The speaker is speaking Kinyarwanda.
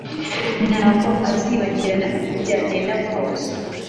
Ntabwo azibagirana uko byagenda kose.